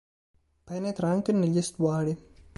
Penetra anche negli estuari.